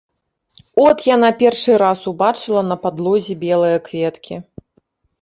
От яна першы раз убачыла на падлозе белыя кветкі.